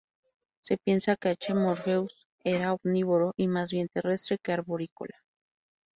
Se piensa que "H. morpheus" era omnívoro y más bien terrestre que arborícola.